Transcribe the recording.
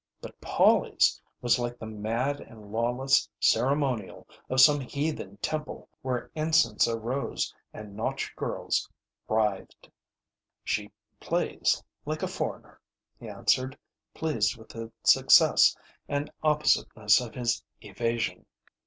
But Polly's was like the mad and lawless ceremonial of some heathen temple where incense arose and nautch girls writhed. "She plays like a foreigner," he answered, pleased with the success and oppositeness of his evasion.